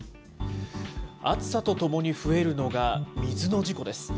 暑さとともに増えるのが水の事故です。